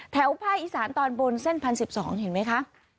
แถวภาคอีสานตอนบนเส้นพันสิบสองเห็นไหมคะ